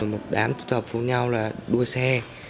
một đám tụ tập cùng nhau là đua xe